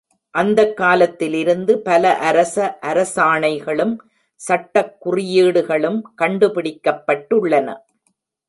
அந்தக் காலத்திலிருந்து பல அரச அரசாணைகளும் சட்டக் குறியீடுகளும் கண்டுபிடிக்கப்பட்டுள்ளன.